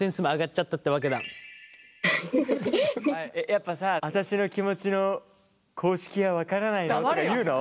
やっぱさ「私の気持ちの公式はわからないの？」とか言うの？